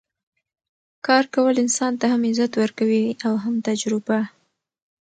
کار کول انسان ته هم عزت ورکوي او هم تجربه